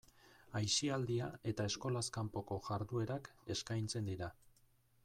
Aisialdia eta eskolaz kanpoko jarduerak eskaintzen dira.